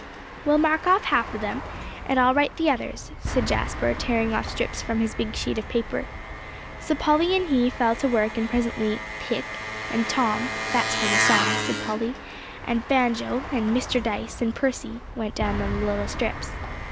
"Well, mark off half of 'em, and I'll write the others," said Jasper, tearing off strips from his big sheet of paper. So Polly and he fell to work; and presently "Pick," and "Tom" ("that's for the song," said Polly), and "Banjo," and "Mr. Dyce," and "Percy," went down on the little strips.